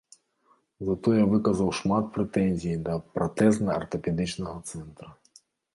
Затое выказаў шмат прэтэнзій да пратэзна-артапедычнага цэнтра.